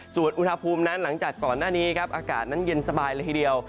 ส่วนอุณหภูมินั้นหลังจากก่อนหน้านี้ครับอากาศนั้นเย็นสบายเลยทีเดียว